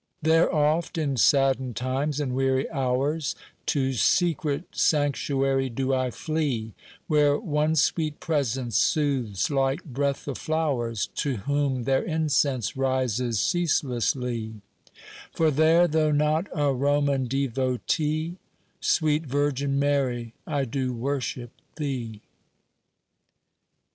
There oft, in saddened times and weary hours, To secret sanctuary do I flee, Where one sweet presence soothes, like breath of flowers, To whom their incense rises ceaselessly; For there, though not a Roman devotee, Sweet virgin Mary I do worship thee.